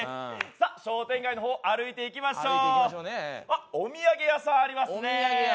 商店街の方を歩いて行きましょう、お土産屋さんありますね。